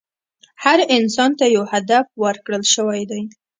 هر انسان ته یو هدف ورکړل شوی دی.